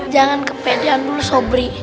jangan kepedean dulu sobri